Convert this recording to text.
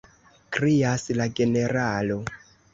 krias la generalo.